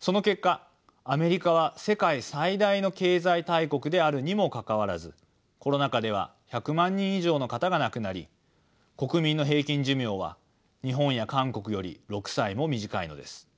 その結果アメリカは世界最大の経済大国であるにもかかわらずコロナ禍では１００万人以上の方が亡くなり国民の平均寿命は日本や韓国より６歳も短いのです。